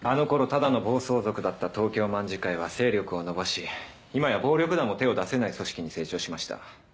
ただの暴走族だった東京卍會は勢力を伸ばし今や暴力団も手を出せない組織に成長しました。